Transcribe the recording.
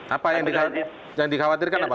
apa yang dikhawatirkan apa